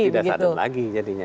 tidak sudden lagi jadinya